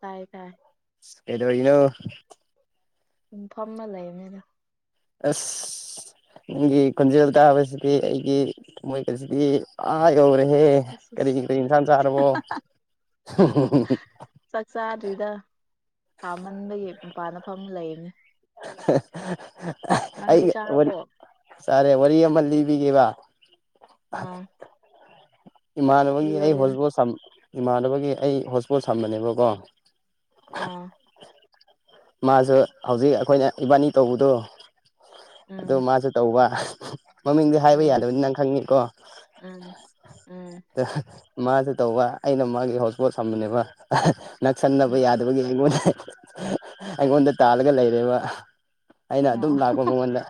ꯇꯥꯏ ꯇꯥꯏ ꯑꯦꯗꯩꯅꯣ ꯐꯃ ꯂꯩꯌꯦ ꯃꯔ ꯑꯁ ꯅꯪꯒꯤ ꯈꯨꯣꯟꯖꯦꯜ ꯀꯥꯕꯕꯁꯤꯗꯤ ꯑꯩꯒꯤ ꯃꯣꯏ ꯀꯔꯤꯁꯤꯗꯤ ꯑꯥ ꯌꯧꯔꯦ ꯍꯦ ꯀꯔꯤꯒꯤ ꯀꯔꯤ ꯏꯟꯁꯥꯡ ꯆꯥꯔꯕꯣ ꯐꯥꯛꯁꯥꯔꯔꯤꯗ ꯊꯃꯟꯕꯒꯤ ꯃꯄꯥꯟꯅꯐꯝ ꯂꯩꯅꯦ [unintelligible] ꯅꯪꯗꯤ ꯆꯥꯔꯔꯕꯣ ꯑꯣꯏꯔꯤ ꯌꯥꯝ ꯃꯜꯜꯂꯤꯕꯤꯒꯤꯦ ꯋꯥ ꯑꯥ ꯏꯃꯥꯟꯅꯕꯒꯤ ꯂꯤꯌꯣ ꯑꯩ ꯂꯤꯌꯣ ꯍꯣꯁꯄꯣꯠ ꯏꯃꯥꯟꯅꯕꯒꯤ ꯑꯩ ꯍꯣꯁꯄꯣꯠ ꯁꯝꯕꯅꯦꯕꯀꯣ ꯑꯥ ꯃꯥꯁꯨ ꯍꯧꯖꯤꯛ ꯑꯩꯈꯣꯏꯅ ꯏꯕꯥꯅꯤ ꯇꯧꯕꯗꯣ ꯑꯗꯨ ꯎꯝ ꯃꯥꯁꯨ ꯇꯧꯕ ꯃꯃꯤꯡꯗꯤ ꯍꯥꯏꯕ ꯎꯝ ꯌꯥꯗꯕꯅꯤ ꯅꯪ ꯈꯪꯉꯤꯀꯣ ꯎꯝ ꯎꯝ ꯃꯥꯁꯨ ꯇꯧꯕ ꯑꯩꯅ ꯃꯥꯒꯤ ꯍꯣꯠꯁꯄꯣꯠ ꯁꯝꯕꯅꯦꯕ ꯅꯛꯁꯟꯅꯕ ꯎꯝ ꯌꯥꯗꯕꯒꯤ ꯑꯩꯉꯣꯟꯗ ꯑꯩꯉꯣꯟꯗ ꯇꯥꯜꯂꯒ ꯂꯩꯔꯦꯕ ꯑꯩꯅ ꯑꯗꯨꯝ ꯑꯣ ꯂꯥꯛꯄ ꯃꯃꯜꯗ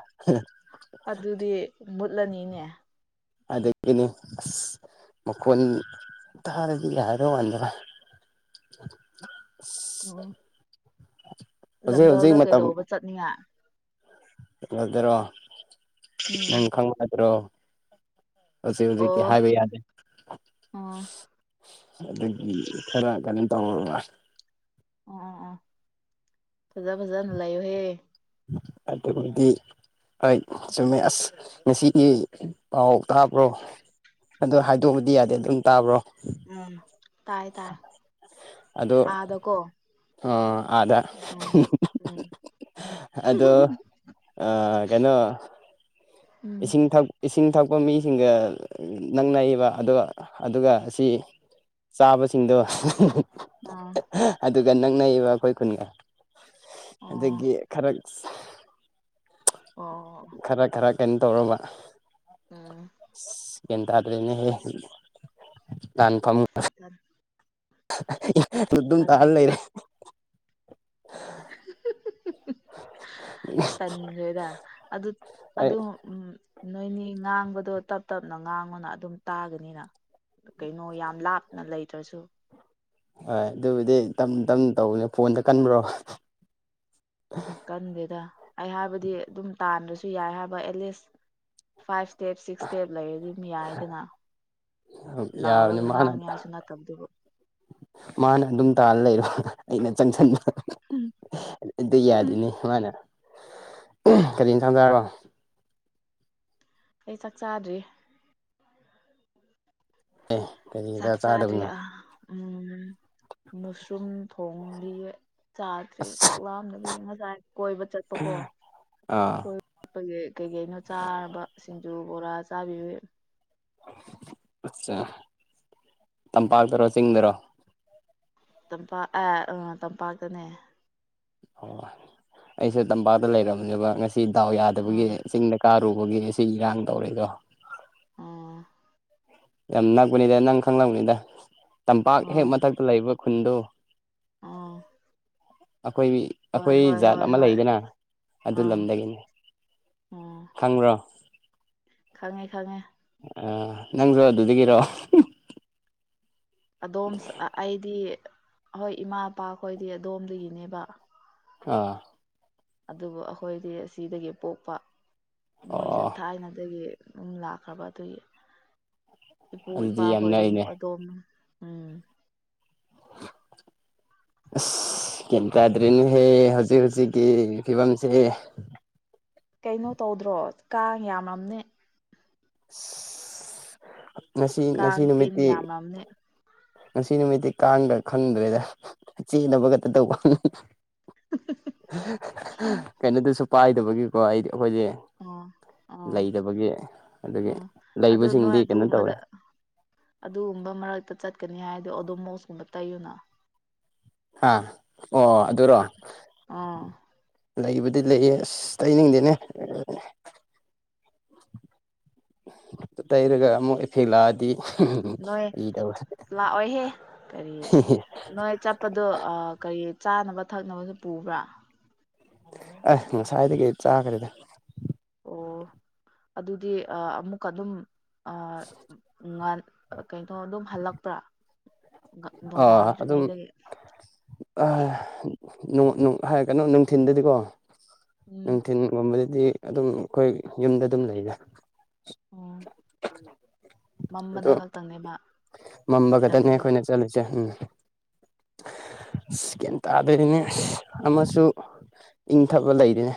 ꯑꯗꯨꯗꯤ ꯃꯨꯠꯂꯅꯤꯅꯦ ꯑꯗꯗꯒꯤꯅꯦ ꯑ ꯃꯈꯣꯟ ꯊꯥꯔꯗꯤ ꯌꯥ ꯍꯥꯏꯔꯣ ꯋꯥꯟꯗ꯭ꯔꯥ ꯎꯝ ꯍꯧꯖꯤꯛ ꯂꯖꯪꯒꯜꯗ ꯀꯩꯗꯧꯕ ꯆꯠꯅꯤꯉ ꯠꯂꯗꯔꯣ ꯅꯝ ꯎꯝ ꯈꯪꯉꯗ꯭ꯔꯣ ꯍꯧꯖꯤꯛ ꯍꯧꯖꯤꯛꯀꯤ ꯑꯣ ꯑꯣ ꯍꯥꯏꯕ ꯌꯥꯗꯦ ꯑꯣ ꯑꯗꯨꯗꯒꯤ ꯈꯔ ꯀꯩꯅꯣꯝ ꯇꯧꯕ ꯑꯣ ꯑꯣ ꯐꯖꯥ ꯐꯖꯅ ꯂꯩꯥꯏꯣꯍꯦ ꯑꯠꯇ ꯀꯗꯤ ꯍꯣꯏ ꯆꯨꯝꯃꯦ ꯑꯁ ꯉꯁꯤꯒꯤ ꯄꯥꯎ ꯇꯥꯕ꯭ꯔꯣ ꯑ ꯍꯥꯏꯗꯣꯛꯎꯗꯤ ꯌꯥꯗꯦ ꯑꯗꯨꯝ ꯇꯥꯕ꯭ꯔꯣ ꯎꯝ ꯇꯥꯏ ꯇꯥꯏ ꯑꯗ ꯀꯣ ꯑ ꯑꯗ ꯎꯝ ꯑꯗꯣ ꯀꯩꯅꯣ ꯎꯝ ꯏꯁꯤꯡ ꯊ ꯏꯁꯤꯡꯅ ꯊꯛꯄ ꯃꯤ ꯁꯤꯡꯒ ꯅꯪꯅꯩꯕ ꯑꯗꯨꯒ ꯑꯗꯨꯒ ꯑꯁꯤ ꯆꯥꯕꯁꯤꯡꯗꯣ ꯑꯥ ꯑꯗꯨꯒ ꯅꯛꯅꯕ ꯑꯩꯈꯣꯏ ꯈꯨꯟꯒ ꯑꯣ ꯑꯗꯒꯤ ꯈꯔ [unintelligible] ꯑꯣ ꯈꯔ ꯈꯔ ꯀꯩꯅꯣ ꯇꯧꯔꯕ ꯎꯝ ꯒꯤꯟꯗ꯭ꯔꯅꯦ ꯀꯥꯟ ꯐꯝ ꯑꯝ ꯑꯗꯨꯝ ꯇꯥꯅ ꯂꯩꯔꯦ [unintelligible] ꯇꯟ꯭ꯔꯦꯗ ꯑꯗꯨ ꯑꯩ ꯑꯗ ꯎꯝ ꯅꯣꯏꯅꯤ ꯉꯥꯡꯕꯗꯣ ꯇꯞ ꯇꯞꯅ ꯉꯥꯡꯉꯨꯅ ꯑꯗꯨꯝ ꯇꯥꯒꯅꯤꯅ ꯀꯩꯅꯣ ꯌꯥꯝ ꯂꯥꯞꯅ ꯂꯩꯇ꯭ꯔꯁꯨ ꯍꯣꯏ ꯑꯗꯨꯕꯨꯗꯤ ꯇꯞ ꯇꯞꯅ ꯇꯧꯅꯦ ꯐꯣꯟꯗ ꯀꯟꯕ꯭ꯔꯣ ꯀꯟꯗꯦꯗ ꯑꯩ ꯍꯥꯏꯕꯗꯤ ꯑꯗꯨꯝ ꯇꯥꯟꯥꯟꯕꯁꯨ ꯌꯥꯏ ꯍꯥꯏꯕ at least five step six step ꯂꯩ ꯑꯗꯨꯝ ꯌꯥꯏꯗꯅ ꯌꯥꯕꯅꯤ ꯂꯥꯎꯔꯒ ꯃꯥꯅ ꯉꯥꯡꯅꯤ ꯍꯥꯏꯁꯨ ꯅꯠꯇꯕꯗꯨꯕꯨ ꯃꯥꯅ ꯑꯗꯨꯝ ꯇꯥꯅ ꯂꯩꯔꯣ ꯑꯩꯅ ꯆꯪꯁꯤꯟꯕ ꯑꯗꯨꯗ ꯌꯥꯗꯅꯤ ꯃꯥꯅ ꯀꯔꯤ ꯏ ꯊꯝꯖ ꯍꯥꯏꯔꯑꯣ ꯑꯩ ꯆꯥꯛ ꯆꯥꯗ꯭ꯔꯤ ꯑꯦ ꯀꯔꯤꯗ ꯆꯥꯛ ꯆꯥꯗ꯭ꯔꯤ ꯆꯥꯗꯕꯅꯣ ꯑ ꯎꯝ ꯃꯨꯁꯔꯨꯝ ꯊꯣꯡꯕꯤ ꯆꯥꯗ꯭ꯔꯔꯤ ꯑꯁ ꯆꯥꯛꯂꯥꯝꯗꯕꯤꯒꯤ ꯉꯁꯥꯏ ꯀꯣꯏꯕ ꯆꯠꯄꯀꯣ ꯑꯥ ꯑꯩꯈ ꯀꯩꯀꯩꯅꯣ ꯆꯥꯔꯕ ꯁꯤꯡꯖꯨ ꯕꯣꯔꯥ ꯆꯥꯕꯤꯌꯨ ꯑꯆꯥ ꯇꯝꯄꯥꯛꯇꯔꯣ ꯆꯤꯡꯗꯔꯣ ꯇꯝꯄꯥꯛ ꯑꯦ ꯎ ꯇꯝꯄꯥꯛꯇꯅꯦ ꯑꯣ ꯑꯩꯁꯨ ꯇꯝꯄꯥꯛꯇ ꯂꯩꯔꯝꯅꯦꯕ ꯉꯁꯤ ꯗꯥꯎ ꯌꯥꯗꯕꯒꯤ ꯎꯝ ꯆꯤꯡꯗ ꯀꯥꯔꯨꯕ ꯇꯒꯤ ꯑꯁꯤ ꯏꯔꯥꯡ ꯇꯧꯔꯦꯗꯣ ꯎꯝ ꯌꯥꯝ ꯅꯛꯄꯅꯤꯗ ꯅꯪ ꯈꯪꯂꯛꯅꯕꯅꯤꯗ ꯇꯝꯄꯥꯛ ꯍꯦꯛ ꯎꯝ ꯃꯊꯛꯇ ꯂꯩꯕ ꯈꯨꯟꯗ ꯎꯝ ꯑꯩꯈꯣꯏ ꯍꯣꯏ ꯑꯩꯈꯣꯏ ꯍꯣꯏ ꯖꯥꯠ ꯍꯣꯏ ꯑꯃ ꯍꯣꯏ ꯂꯩꯗꯅ ꯑꯗꯨ ꯑꯥ ꯂꯝꯗꯒꯤꯅꯤ ꯎꯝ ꯈꯪ꯭ꯔꯣ ꯈꯪꯉꯦ ꯈꯪꯉꯦ ꯑ ꯅꯪꯁꯨ ꯑꯗꯨꯗꯒꯤꯔꯣ ꯑꯗꯣꯝ ꯑꯩꯗꯤ ꯍꯣꯏ ꯏꯃꯥ ꯏꯄꯥꯈꯣꯏꯗꯤ ꯑꯗꯣꯝꯗꯒꯤꯅꯦꯕ ꯑꯥ ꯑꯗꯨꯕꯨ ꯑꯩꯈꯣꯏꯗꯤ ꯑꯁꯤꯗꯒꯤ ꯄꯣꯛꯄ ꯃꯣꯏꯁꯨ ꯑꯣ ꯊꯥꯏꯅꯗꯒꯤ ꯑꯗꯨꯝ ꯂꯥꯛꯈ꯭ꯔꯕ ꯑꯗꯨꯒꯤ ꯏꯄꯨ ꯑꯗꯨꯗꯤ ꯌꯥꯝ ꯏꯄꯥꯈꯣꯏꯗꯤ ꯅꯛꯏꯅꯦ ꯑꯗꯣꯝ ꯎꯝ [unintelligible] [unintelligible] ꯀꯦꯟ ꯇꯥꯗ꯭ꯔꯔꯤꯅꯦꯍꯦ ꯍꯧꯖꯤꯛ ꯍꯧꯖꯤꯛꯀꯤ ꯐꯤꯕꯝꯁꯦ ꯀꯩꯅꯣ ꯇꯧꯗ꯭ꯔꯣ ꯀꯥꯡ ꯌꯥꯝꯃꯝꯅꯦ ꯑ ꯉꯁꯤ ꯉꯁꯤ ꯀꯥꯡ ꯇꯤꯟ ꯅꯨꯃꯤꯠꯇꯤ ꯌꯥꯝꯔꯝꯅꯤ ꯉꯁꯤ ꯅꯨꯃꯤꯠꯇꯤ ꯀꯥꯟꯈ꯭ꯔꯥ ꯈꯪꯗ꯭ꯔꯦꯗ ꯆꯦꯅꯕ ꯈꯛꯇ ꯇꯧꯕ ꯀꯩꯅꯣꯗꯨꯁꯨ ꯄꯥꯏꯗꯕꯒꯤꯀꯣ ꯍꯥꯏꯗꯤ ꯑꯩꯈꯣꯏꯗꯤ ꯑꯣ ꯑꯣ ꯂꯩꯇꯕꯒꯤ ꯑꯣ ꯑꯗꯨꯣ ꯅꯣꯏ ꯑꯗꯨꯒꯨꯝꯕꯗ ꯑꯗꯨꯒꯨꯝꯕ ꯃꯔꯛꯇ ꯆꯠꯀꯅꯤ ꯅꯤ ꯍꯥꯏꯗꯣ ꯑꯗꯨꯝ ꯃꯧꯁꯀꯨꯝꯕ ꯇꯩꯌꯨꯅ ꯍꯥꯥ ꯑꯣ ꯂꯩꯕꯨꯗꯤ ꯂꯩꯌꯦ ꯑꯁ ꯇꯩꯅꯤꯡꯗꯦꯅꯦ ꯇꯩꯔꯒ ꯑꯃꯨꯛ ꯑꯩꯈꯩ ꯂꯛꯑꯗꯤ ꯅꯣꯏ ꯂꯥꯛꯑꯣꯍꯦ ꯀꯔꯤ ꯅꯣꯏ ꯆꯠꯄꯗꯣ ꯀꯔꯤ ꯆꯥꯅꯕ ꯊꯛꯅꯕꯁꯨ ꯄꯨꯕ꯭ꯔꯥ ꯑꯦ ꯉꯁꯥꯏꯗꯒꯤ ꯆꯥꯈ꯭ꯔꯦꯗ ꯑꯣ ꯑꯗꯨꯗꯤ ꯑꯃꯨꯛꯀ ꯑꯗꯨꯝ ꯉꯥꯟ ꯀꯩꯅꯩꯅꯣ ꯑꯗꯨꯝ ꯍꯜꯂꯛꯄ꯭ꯔꯥ ꯑ ꯑꯗꯨꯝ ꯅꯣꯡꯉꯥꯟꯗ꯭ꯔꯤꯉꯩꯗꯒꯤ ꯍꯥꯏ ꯀꯩꯅꯣ ꯅꯨꯡꯊꯤꯤꯟꯗꯗꯤꯀꯣ ꯎꯝ ꯅꯨꯡꯊꯤꯤꯟꯒꯨꯝꯕꯗꯗꯤ ꯑꯗꯨꯝ ꯑꯩꯈꯣꯏ ꯌꯨꯝꯗ ꯑꯗꯨꯝ ꯂꯩꯔꯦ ꯑꯣ ꯑꯗꯨ ꯃꯝꯕꯗ ꯈꯛꯇꯪꯅꯦꯕ ꯃꯝꯕ ꯈꯛꯇꯅꯦ ꯆꯠꯂꯤꯁꯦ ꯑꯩꯈꯣꯏꯅ ꯆꯠꯂꯤꯁꯦ ꯎꯝ [unintelligible] ꯆꯀꯦꯟ ꯇꯥꯗꯣꯏꯔꯤꯅꯦ ꯑꯃꯁꯨ ꯏꯪꯊꯄ ꯂꯩꯔꯤꯅꯦ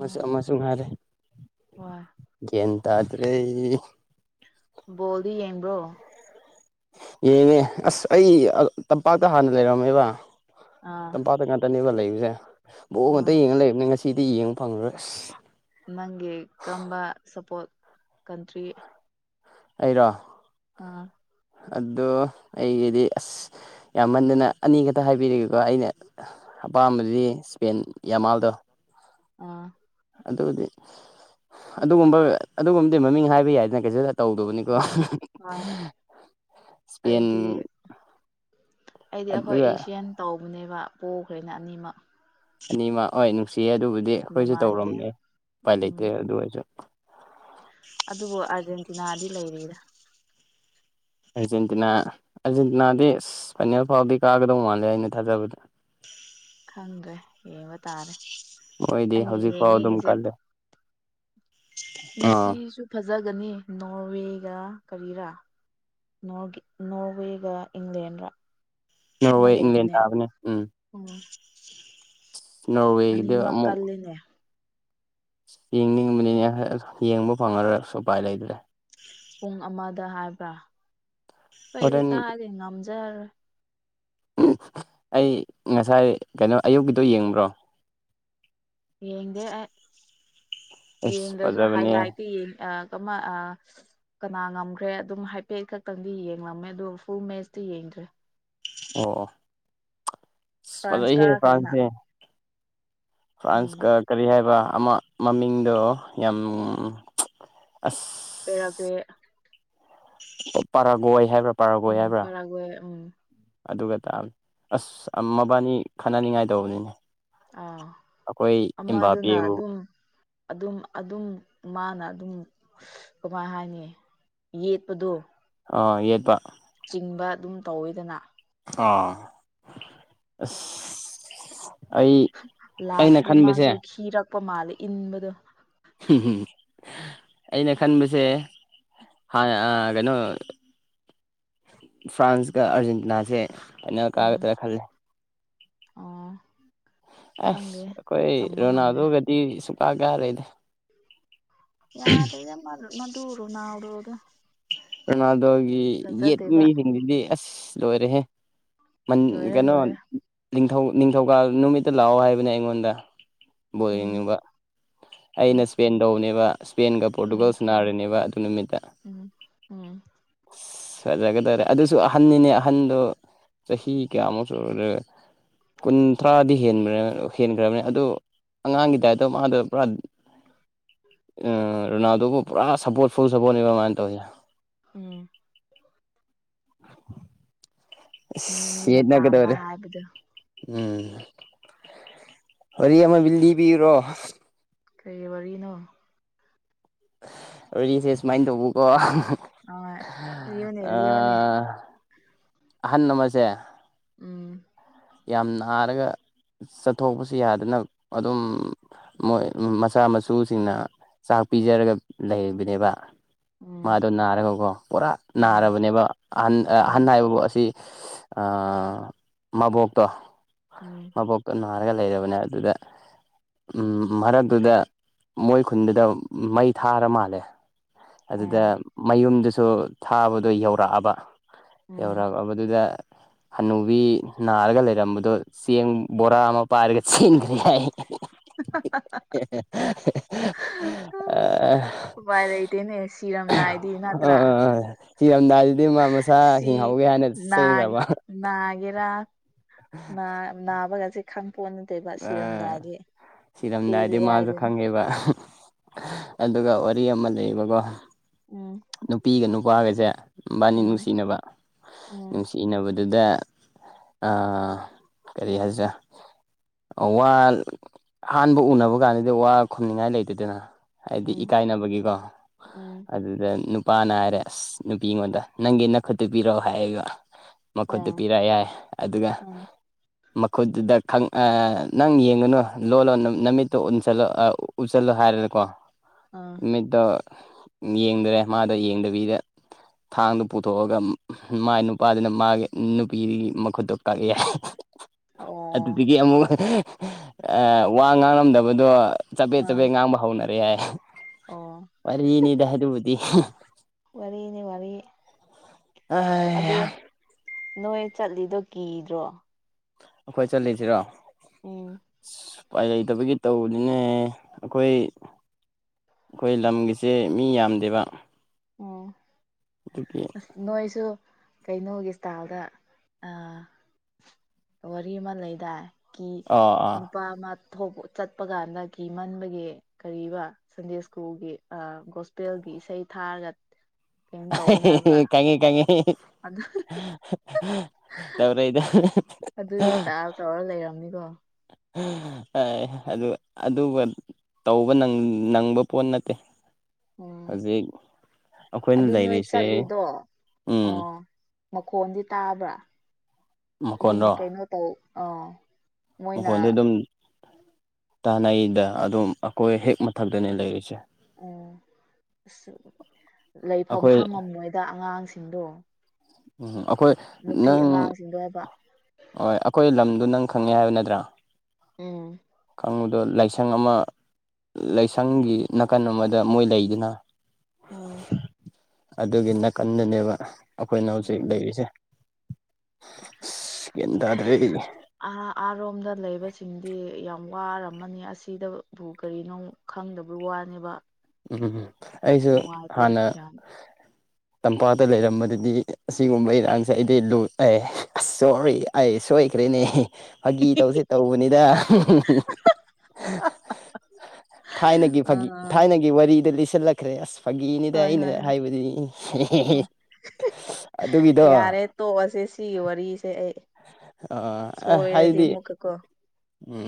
ꯑꯁꯨ ꯑꯃꯁꯨ ꯉꯔꯦ ꯋꯥ ꯇꯖꯔꯩ ꯕꯣꯜꯗꯨ ꯌꯦꯡꯕ꯭ꯔꯣ ꯌꯦꯡꯉꯦ ꯑꯁ ꯑꯩ ꯇꯝꯄꯥꯛꯇ ꯍꯥꯟꯅ ꯂꯩꯔꯝꯃꯦꯕ ꯑꯥ ꯇꯝꯄꯥꯛꯇ ꯉꯥꯛꯇꯅꯦꯕ ꯂꯩꯕꯁꯦ ꯕꯣ ꯉꯇ ꯑꯣ ꯌꯦꯡꯉ ꯂꯩꯕꯅꯦ ꯉꯁꯤ ꯁꯤꯗꯤ ꯌꯦꯡꯕ ꯐꯪꯂꯉꯣꯏ ꯑꯁ ꯅꯪꯒꯤ ꯀꯔꯝꯕ ꯁꯞꯄꯣꯔꯠ ꯀꯟꯇ꯭ꯔꯤ ꯑꯩꯔꯣ ꯑꯥ ꯑꯗꯣ ꯑꯩꯒꯤꯗꯤ ꯑꯁ ꯌꯥꯝꯃꯟꯗꯅ ꯑꯅꯤ ꯈꯛꯇ ꯍꯥꯏꯕꯤꯔꯤꯒꯦꯀꯣ ꯑꯩꯅ ꯑꯄꯥꯝꯕꯗꯤ ꯏꯁꯄꯦꯟ ꯌꯥꯝꯃꯥꯜꯗꯣ ꯑꯥ ꯑꯗꯨꯗꯤ ꯑꯗꯨꯒꯨꯝꯕ ꯑꯗꯨꯒꯨꯝꯕꯗꯤ ꯃꯃꯤꯡ ꯍꯥꯏꯕ ꯌꯥꯏꯗꯅ ꯀꯩꯁꯨꯠ ꯇꯧꯗꯕꯅꯤꯀꯣ ꯑꯣ ꯍꯣꯏ ꯏꯁꯄꯦꯟ ꯑꯩꯗꯤ ꯑꯩꯗꯤ ꯑꯩꯈꯣꯏ ꯑꯗꯨꯒ ꯑꯦꯁꯤꯌꯥꯟ ꯇꯧꯕꯅꯦꯕ ꯄꯈ꯭ꯔꯦꯅ ꯑꯅꯤꯃꯛ ꯑꯅꯤꯃ ꯍꯣꯏ ꯅꯨꯡꯁꯤꯌꯦ ꯑꯗꯨꯕꯨꯗꯤ ꯑꯩꯈꯣꯏꯁꯨ ꯅꯨꯡꯉꯥꯏꯇꯦ ꯇꯧꯔꯝꯅꯦ ꯎꯄꯥꯏ ꯎꯝ ꯂꯩꯇꯣꯏꯦ ꯑꯗꯨ ꯑꯣꯏꯔꯁꯨ ꯗꯤ ꯂꯩꯔꯤꯗ ꯑꯔꯖꯦꯟꯇꯤꯅꯥ ꯑꯔꯖꯦꯟꯇꯤꯅꯥꯗꯤ ꯐꯅꯦꯜ ꯐꯥꯎꯗꯤ ꯀꯥꯒꯗꯧ ꯃꯥꯜꯂꯦ ꯑꯩꯅ ꯊꯥꯖꯕꯗ ꯈꯪꯗ꯭ꯔꯦ ꯌꯦꯡꯕ ꯇꯥꯔꯦ ꯃꯣꯏꯗꯤ ꯑꯩꯅ ꯍꯧꯖꯤꯛ ꯐꯥꯎ ꯑꯗꯨꯝ ꯌꯦꯡꯅꯤꯡꯉꯤꯁꯦ ꯀꯜꯂꯦ ꯑꯥ ꯉꯁꯤꯁꯨ ꯐꯖꯒꯅꯤ ꯅꯣꯔꯋꯦꯒ ꯀꯔꯤꯔꯥ ꯅꯣꯔꯋꯦꯒ ꯏꯪꯂꯦꯟꯒ ꯑꯃ ꯅꯣꯔꯋꯦ ꯏꯪꯂꯦꯟ ꯂꯩꯕꯅꯦ ꯇꯥꯕꯅꯦ ꯎꯝ ꯎꯝ ꯅꯣꯔꯋꯦꯒꯤꯗ ꯑꯅꯤꯃꯛ ꯑꯃꯨꯛ ꯀꯜꯂꯤꯅꯦ ꯌꯦꯡꯅꯤꯡꯕꯅꯤꯅꯦ ꯌꯦꯡꯕ ꯐꯪꯉꯔꯁꯨ ꯎꯄꯥꯏ ꯂꯩꯗ꯭ꯔꯦ ꯄꯨꯡ ꯑꯃꯗ ꯍꯥꯏꯕ꯭ꯔꯥ ꯑꯩꯣꯏꯗꯤ ꯍꯣꯔꯦꯟ ꯀꯥꯏꯗꯤ ꯉꯝꯖꯔꯔꯣꯏ ꯑꯩ ꯉꯁꯥꯏ ꯀꯩꯅꯣ ꯑꯌꯨꯛꯀꯤꯗꯣ ꯌꯦꯡꯕ꯭ꯔꯣ ꯌꯦꯡꯗꯦ ꯑꯩ ꯑꯁ ꯌꯦꯡꯗ꯭ꯔꯁꯨ ꯍꯥꯏ ꯐꯖꯕꯅꯦ ꯂꯥꯏꯠꯇ ꯀꯅꯥ ꯉꯝꯈ꯭ꯔꯦ ꯑꯗꯨꯝ ꯍꯥꯏꯐꯦꯠ ꯈꯛꯇꯪꯗꯤ ꯌꯦꯡꯂꯝꯃꯦ ꯑꯗꯨꯒ ꯐꯨꯜ ꯃꯦꯁꯇ ꯌꯦꯡ [unintelligible] ꯑꯣ ꯐ꯭ꯔꯥꯟꯁ ꯐꯖꯩꯍꯦ ꯀꯥꯈ꯭ꯔꯦꯅ ꯄꯥꯟꯁꯦ ꯎꯝ ꯐ꯭ꯔꯥꯟꯁꯀ ꯀꯔꯤ ꯍꯥꯏꯕ ꯑꯃ ꯃꯃꯤꯡꯗꯣ ꯌꯥꯝ ꯑꯁ ꯄꯔꯒ ꯄꯔꯥꯒꯏ ꯍꯥꯏꯦ ꯎꯝ ꯐꯔꯒꯋꯦ ꯎꯝ ꯑꯗꯨꯒ ꯇꯥꯕꯅꯤ ꯑꯁ ꯃꯕꯥꯅꯤ ꯈꯟꯅꯅꯤꯡꯉꯥꯏ ꯇꯧꯕꯅꯤꯅꯦ ꯑꯥ ꯑꯩꯈꯣꯏ ꯑꯃꯗꯨꯅ ꯏꯝꯕꯥꯄꯦꯕꯨ ꯑꯗꯨꯝ ꯑꯗꯨꯝ ꯑꯗꯨꯝ ꯃꯥꯅ ꯑꯗꯨꯝ ꯀꯃꯥꯏ ꯍꯥꯏꯅꯤ ꯌꯦꯠꯄꯗꯣ ꯑ ꯌꯦꯕ ꯏꯟꯕ ꯑꯗꯨꯝ ꯇꯧꯋꯤꯗꯅ ꯑꯥ ꯑꯩ ꯑꯩꯅ ꯂꯥꯁꯗꯤ ꯈꯟꯕꯁꯦ ꯃꯥꯁꯨ ꯈꯤꯔꯛꯄ ꯃꯥꯜꯂꯦ ꯏꯟꯕꯗꯣ ꯑꯩꯅ ꯈꯟꯕꯁꯦ ꯍ ꯑ ꯀꯩꯅꯣ ꯐ꯭ꯔꯥꯟꯁꯀ ꯑꯥꯔꯖꯦꯟꯇꯤꯅꯥꯁꯦ ꯑꯩꯅ ꯀꯥꯒꯗ꯭ꯔꯥ ꯈꯜꯂꯦ ꯑ ꯑꯁ ꯑꯩꯈꯣꯏ ꯉꯝꯗꯦ ꯔꯣꯅꯥꯜꯗꯣꯒꯗꯤ ꯁꯨꯡꯀꯥ ꯀꯌꯥ ꯂꯩꯗ ꯌꯥꯔ ꯏꯗ ꯃ ꯃꯗꯨꯔꯅꯅꯥꯎꯔꯗ ꯔꯣꯅꯥꯜꯗꯣꯒꯤ ꯌꯦꯠꯄ ꯃꯤꯁꯤꯡꯗꯨꯗꯤ ꯑꯁ ꯂꯣꯏꯔꯦꯍꯦ ꯂꯣꯏꯔꯦ ꯀꯩꯅꯣ ꯂꯣꯏꯔꯦ ꯅꯤꯡꯊꯧ ꯅꯤꯡꯊꯧꯀꯥ ꯅꯨꯃꯤꯠꯇ ꯂꯥꯛꯑꯣ ꯍꯥꯏꯕꯅꯦ ꯑꯩꯉꯣꯟꯗ ꯕꯣꯜ ꯎꯝ ꯌꯦꯡꯅꯤꯡꯕ ꯑꯩꯅ ꯎꯝ ꯏꯁꯄꯦꯟ ꯇꯧꯕꯅꯦꯕ ꯏꯁꯄꯦꯟꯒ ꯎꯝ ꯄꯣꯔꯇꯨꯒꯜꯁ ꯅꯥꯔꯤꯅꯦꯕ ꯎꯝ ꯎꯝ ꯐꯖꯒꯗꯥꯔꯦ ꯑꯗꯨꯁꯨ ꯑꯍꯟꯅꯤꯅꯦ ꯑꯍꯟꯗꯣ ꯆꯍꯤ ꯀꯌꯥꯃꯨꯛ ꯁꯦ ꯀꯨꯟꯊ꯭ꯔꯥꯗꯤ ꯍꯦꯟꯕ ꯍꯦꯟꯈ꯭ꯔꯕꯅꯦ ꯑꯗꯨ ꯑꯉꯥꯡꯒꯤ ꯗꯥꯏꯠꯇꯣ ꯃꯥꯗꯣ ꯄꯨꯔꯥ ꯔꯣꯅꯥꯜꯗꯣꯕꯨ ꯄꯨꯔꯥ ꯁꯞꯄꯣꯔꯠ ꯐꯨꯜ ꯁꯞꯄꯣꯔꯠꯅꯦꯕ ꯀꯃꯥꯏꯅ ꯇꯧꯁꯦ ꯎꯝ [unintelligible] [unintelligible] ꯃꯤ ꯑꯁ ꯃꯤꯅ ꯄꯥꯝꯕ ꯌꯦꯠꯅꯒꯗꯧꯔꯦ ꯍꯥꯏꯕꯗꯨ ꯎꯝ ꯋꯥꯔꯤ ꯑꯃ ꯕꯤꯜꯗꯤ ꯄꯤꯨꯔꯣ ꯀꯩ ꯋꯥꯔꯤꯅꯣ ꯑꯗꯨꯔꯤꯁꯦ ꯁꯨꯃꯥꯏꯅ ꯇꯧꯕꯀꯣ ꯑ ꯂꯑꯣꯅꯦ ꯂꯑꯣꯅꯦ ꯑꯍꯟ ꯅꯃꯁꯦ ꯎꯝ ꯌꯥꯝ ꯅꯥꯔꯒ ꯆꯠꯊꯣꯛꯄꯁꯨ ꯌꯥꯗꯅ ꯑꯗꯨꯝ ꯃꯣꯏ ꯃꯆꯥ ꯃꯁꯨꯁꯤꯡꯅ ꯆꯥꯛ ꯄꯤꯖꯔꯒ ꯂꯩꯕꯅꯦꯕ ꯎꯝ ꯃꯥꯗꯣ ꯅꯥꯔꯒꯀꯣ ꯄꯨꯔꯥ ꯎꯝ ꯅꯥꯔꯕꯅꯦꯕ ꯑꯍꯟ ꯑꯍꯟ ꯎꯝ ꯍꯥꯏꯕꯐꯥꯎ ꯑꯁꯤ ꯑ ꯃꯕꯣꯛꯇꯣ ꯎꯝ ꯃꯕꯣꯛꯇ ꯅꯥꯔꯒ ꯂꯩꯔꯕꯅꯦ ꯑꯗꯨꯗ [unintelligible] ꯎꯝ ꯃꯔꯛꯇꯨꯗ ꯃꯣꯏ ꯈꯨꯟꯗꯨꯗ ꯃꯩ ꯊꯥꯔ ꯃꯥꯜꯂꯦ ꯑꯗꯨꯗ ꯑꯣ ꯃꯌꯨꯝꯗꯨꯁꯨ ꯊꯥꯕꯗꯣ ꯌꯧꯔꯛꯑꯕ ꯎꯝ ꯌꯧꯔꯛꯕꯗꯨꯗ ꯍꯅꯨꯕꯤ ꯅꯥꯔꯒ ꯂꯩ ꯂꯩꯔꯝꯕꯗꯣ ꯆꯦꯡ ꯕꯣꯔꯥ ꯑꯃ ꯄꯥꯏꯔꯒ ꯆꯦꯟꯈ꯭ꯔꯦ ꯍꯥꯏꯏ [unintelligible] ꯚꯥꯏ ꯂꯩ ꯂꯩꯇꯦꯅꯦ ꯁꯤꯔꯝꯗꯥꯏꯗꯤ ꯅꯠꯇ꯭ꯔ ꯊꯤꯔꯝꯗꯥꯏꯗꯨꯗꯤ ꯃꯥ ꯃꯁꯥ ꯍꯤꯡꯍꯧꯒꯦ ꯍꯥꯏꯅ ꯆꯩꯅꯈ꯭ꯔꯕ ꯅꯥꯕꯒꯁ ꯈꯪ ꯄꯣꯟꯅ ꯇꯩꯕ ꯑꯥ ꯁꯤꯔꯝꯗꯥꯏꯗꯤ ꯁꯤꯔꯝꯗꯥꯏꯗꯤ ꯆꯦꯜꯂꯤ ꯃꯥꯁꯨ ꯍꯥꯏꯗꯅ ꯈꯪꯉꯦꯕ ꯑꯗꯨꯒ ꯋꯥꯔꯤ ꯑꯃ ꯂꯩꯌꯦꯕꯀꯣ ꯎꯝ ꯅꯨꯄꯤꯒ ꯅꯨꯄꯥꯒꯁꯦ ꯅꯨꯕꯥꯅꯤ ꯎꯝ ꯅꯨꯡꯁꯤꯅꯕ ꯎꯝ ꯅꯨꯡꯁꯤꯅꯕꯗ ꯑꯗꯨꯗ ꯀꯔꯤ ꯍꯥꯏꯁꯦ ꯋꯥ ꯑꯍꯥꯟꯕ ꯎꯅꯕ ꯀꯥꯟꯗꯗꯤ ꯋꯥ ꯈꯨꯝꯅꯤꯉꯥꯏ ꯂꯩꯇꯗꯅ ꯍꯥꯏꯗꯤ ꯎꯝ ꯏꯀꯥꯏꯅꯕꯒꯤꯀꯣ ꯎꯝ ꯑꯗꯨꯗ ꯅꯨꯄꯥꯅ ꯍꯥꯏꯔꯦ ꯑꯁ ꯅꯨꯄꯤꯉꯣꯟꯗ ꯅꯪꯒꯤ ꯅꯛ ꯈꯨꯠꯇ ꯄꯤꯔꯛꯑꯣ ꯍꯥꯏꯕ ꯃꯈꯨꯠꯇꯨ ꯑꯣ ꯄꯤꯔꯛ ꯌꯥꯏ ꯑꯗꯨꯒ ꯎꯝ ꯃꯈꯨꯠꯇꯨꯗ ꯅꯪ ꯌꯦꯡꯉꯨꯅꯨ ꯂꯣꯜꯂꯣ ꯅꯨꯃꯤꯠꯇꯣꯜꯂ ꯎꯠꯁꯤꯜꯂꯣ ꯍꯥꯏ ꯍꯥꯏꯔꯦꯀꯣ ꯑꯥ ꯅꯨꯠꯇꯣ ꯌꯦꯡꯗꯔꯦ ꯃꯥꯗꯣ ꯌꯦꯡꯗꯕꯤꯗ ꯊꯥꯡꯗꯨꯣ ꯄꯨꯊꯣꯛꯑꯒ ꯃꯥꯏ ꯅꯨꯄꯥꯗꯨꯅ ꯃꯥꯒꯤ ꯅꯨꯄꯤꯗꯨꯒꯤ ꯃꯈꯨꯠꯇꯣ ꯀꯛꯑ ꯌꯥꯏ ꯑꯣ ꯑꯗꯨꯗꯒꯤ ꯑꯃꯨꯛ ꯋꯥ ꯉꯥꯡꯂꯝꯗꯕꯗꯣ ꯆꯄꯦꯠ ꯆꯄꯦꯠ ꯑꯥ ꯉꯥꯡꯕ ꯍꯧꯅꯔꯦ ꯍꯥꯏꯏ ꯑꯣ ꯋꯥꯔꯤꯅꯤꯗ ꯍꯥꯏꯕꯨ ꯋꯥꯔꯤꯅꯤ ꯋꯥꯔꯤ ꯑꯗꯨ ꯑ ꯅꯣꯏ ꯆꯠꯂꯤꯗꯣ ꯀꯤꯗ꯭ꯔꯣ ꯑꯩꯈꯣꯏ ꯆꯠꯂꯤꯁꯤꯔꯣ ꯎꯝ ꯎꯄꯥꯏ ꯂꯩꯇꯕꯒꯤ ꯇꯧꯕꯅꯤꯅꯦ ꯑꯩꯈꯣꯏ ꯑꯩꯈꯣꯏ ꯂꯝꯒꯤꯁꯦ ꯃꯤ ꯌꯥꯝꯗꯦꯕ ꯑꯣ ꯑꯗꯨꯒꯤ ꯑ ꯅꯣꯏꯁꯨ ꯀꯩꯅꯣꯒꯤ ꯏꯁꯇꯥꯏꯜꯗ ꯋꯥꯔꯤ ꯑꯃ ꯂꯩꯗꯥ ꯀ ꯑꯥ ꯑꯥ ꯅꯨꯄꯥ ꯑꯃ ꯊꯣꯛ ꯆꯠꯄ ꯀꯥꯟꯗ ꯀꯤ ꯃꯟꯕꯒꯤ ꯀꯔꯤꯕ ꯁꯟꯗꯦꯁꯀꯨꯒꯤ ꯒꯣꯁꯄꯦꯜꯒꯤ ꯏꯁꯩ ꯊꯥꯔꯒ ꯀꯩꯅꯣ ꯇꯧꯋꯦ ꯍꯥꯏꯕ꯭ꯔꯥ ꯀꯪꯉꯤ ꯀꯉꯤ ꯑꯗꯨ ꯇꯔ ꯏꯗ ꯑꯗꯨꯒꯤ ꯏꯁꯇꯥꯏꯜ ꯇꯧꯔ ꯂꯩꯔꯝꯅꯤꯀꯣ ꯑꯗꯨ ꯑꯗꯨꯒ ꯇꯧꯕ ꯅꯪꯕ ꯄꯣꯠ ꯅꯠꯇꯦ ꯎꯝ ꯍꯧꯖꯤꯛ ꯑꯩꯈꯣꯏꯅ ꯑꯗꯨ ꯅꯣꯏ ꯂꯩꯔꯤꯁꯦ ꯆꯠꯂꯤꯗꯣ ꯎꯝ ꯑꯣ ꯃꯈꯣꯟꯗꯤ ꯇꯥꯕ꯭ꯔꯥ ꯑꯗꯨꯝ ꯃꯈꯣꯟꯔꯣ ꯀꯩꯅꯣ ꯇꯧ ꯑꯥ ꯃꯣꯏꯅ ꯃꯈꯣꯟꯗꯤ ꯑꯗꯨꯝ ꯇꯥꯅꯩꯗ ꯑꯗꯨꯝ ꯑꯩꯈꯣꯏ ꯍꯦꯛ ꯃꯊꯛꯇꯅꯦ ꯂꯩꯔꯤꯁꯦ ꯎꯝ ꯑꯁ ꯂꯩꯐꯝ ꯑꯩꯈꯣꯏ ꯈꯪꯉꯝ ꯅꯣꯏꯗ ꯑꯉꯥꯡꯁꯤꯡ ꯁꯤꯗꯣ ꯎꯝ ꯑꯩꯈꯣꯏ ꯅꯪ ꯍꯥꯏꯕ ꯍ ꯑꯩꯈꯣꯏ ꯂꯝ ꯑꯗꯨ ꯅꯪ ꯈꯪꯉꯦ ꯍꯥꯏꯕ ꯅꯠꯇ꯭ꯔꯥ ꯎꯝ ꯑꯗꯣ ꯂꯥꯏꯁꯪ ꯑꯃ ꯂꯥꯏꯁꯪꯒꯤ ꯅꯥꯀꯟ ꯑꯃꯗ ꯃꯣꯏ ꯂꯩꯗꯨꯅ ꯎꯝ ꯑꯗꯨꯒꯤ ꯅꯥꯀꯟꯗꯅꯦꯕ ꯑꯩꯈꯣꯏꯅ ꯍꯧꯖꯤꯛ ꯎꯝ ꯂꯩꯔꯤꯁꯦ ꯑ ꯑꯔꯣꯝꯗ ꯂꯩꯕꯁꯤꯡꯗꯤ ꯌꯥꯎ ꯌꯥꯝ ꯋꯥꯔꯝꯃꯅꯤ ꯑꯁꯤꯗꯕꯨ ꯀꯔꯤꯅꯣ ꯈꯪꯗꯕ ꯋꯥꯅꯦꯕ ꯎꯝ ꯎꯝꯝ ꯑꯩꯁꯨ ꯅꯨꯡꯉꯥꯏꯇꯦ ꯍꯥꯟꯅ ꯌꯥꯝ ꯇꯝꯄꯥꯛꯇ ꯂꯩꯔꯝꯕꯗꯨꯗꯤ ꯑꯁꯤꯒꯨꯝꯕ ꯏꯔꯥꯡꯁꯦ ꯑꯩꯗꯤ ꯂꯨ ꯑꯦ ꯑꯁ ꯁꯣꯔꯤ ꯑꯩ ꯁꯣꯏ ꯂꯩꯈ꯭ꯔꯦꯅꯦ ꯐꯥꯒꯤ ꯇꯧꯁꯦ ꯇꯧꯕꯅꯤꯗ ꯊꯥꯏꯅꯒꯤ ꯐꯥꯒꯤ ꯑꯥ ꯊꯥꯏꯅꯒꯤ ꯋꯥꯔꯤꯗ ꯂꯤꯁꯤꯜꯂꯛꯈ꯭ꯔꯦ ꯑꯁ ꯐꯥꯒꯤꯅꯤꯗ ꯍꯣꯏ ꯑꯩꯅ ꯍꯣꯏ ꯍꯣꯏ ꯍꯥꯏꯕꯗꯨ ꯍꯣꯏ ꯑꯗꯨꯒꯤꯗꯣ ꯌꯥꯔꯦ ꯇꯣꯛꯑꯁꯦ ꯁꯤꯒꯤ ꯋꯥꯔꯤꯁꯦ ꯑꯩ ꯑ ꯁꯣꯏꯔꯗꯤ ꯍꯥꯏꯗꯤ ꯑꯃꯨꯛꯀꯀꯣ ꯎꯝ